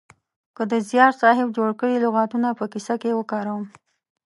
که د زیار صاحب جوړ کړي لغاتونه په کیسه کې وکاروم